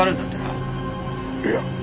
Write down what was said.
いや。